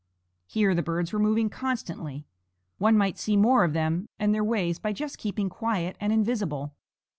Here the birds were moving constantly; one might see more of them and their ways by just keeping quiet and invisible.